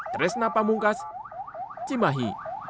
teresna pamungkas cimahi